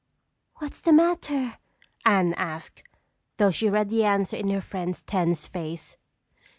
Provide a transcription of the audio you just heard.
"What's the matter?" Anne asked, though she read the answer in her friend's tense face.